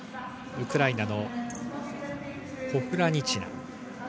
ウクライナのポフラニチナ。